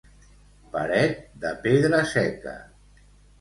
Paret de pedra seca.